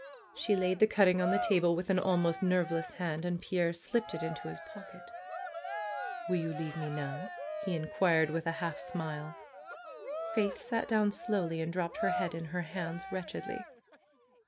She laid the cutting on the table with an almost nerveless hand, and Pierre slipped it into his pocket. "Will you leave me now?" he inquired with a half smile. Faith sat down slowly and dropped her head in her hands wretchedly.